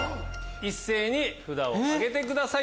一斉に札を挙げてください